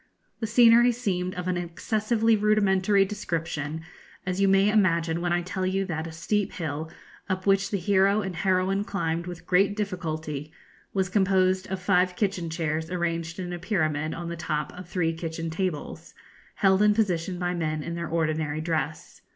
The scenery seemed of an excessively rudimentary description, as you may imagine when I tell you that a steep hill up which the hero and heroine climbed with great difficulty was composed of five kitchen chairs arranged in a pyramid on the top of three kitchen tables, held in position by men in their ordinary dress.